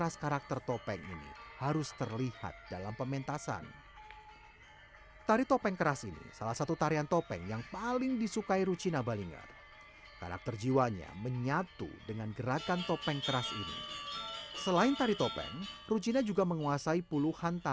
suka membantunya itu ya